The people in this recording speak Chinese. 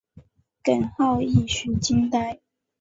耿浩一时惊呆。